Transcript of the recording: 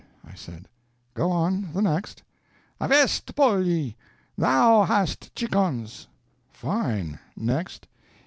I said. "Go on, the next." "Avest polli, thou hadst chickens!" "Fine! Next!"